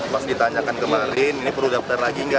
pas ditanyakan kemarin ini perlu daftar lagi nggak